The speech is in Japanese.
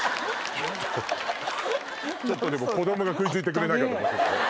ちょっとでも子供が食いついてくれないかと思って。